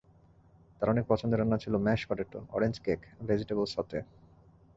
তাঁর অনেক পছন্দের রান্না ছিল mash potato, orange cake, vegetable সতে।